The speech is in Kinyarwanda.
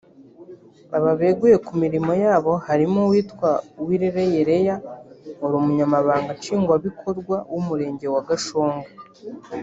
Aba beguye ku mirimo yabo harimo uwitwa Uwirereye Lea wari Umunyamabanga Nshingwabikorwa w’Umurenge wa Gashonga